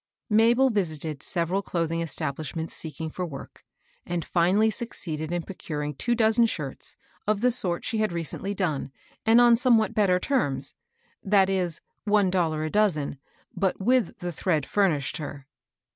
Mabel visited several clothing establishments seeking for work, and finally succeeded in procur ing two dozen shirts, of the sort she had recently done, and on somewhat better terms, * that is, one dollar a dozen, but with the thread fiirmshed her.